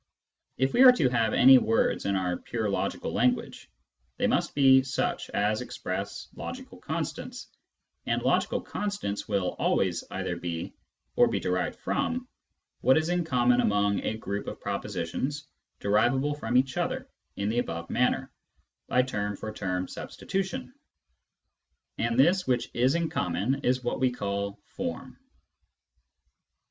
If we are to have any words in our pure logical language, they must be such as express " logical constants," and " logical constants " will always either be, or be derived from, what is in common among a group of propositions derivable from each other, in the above manner, by term for term substitution. And this which is in common is what we call " form."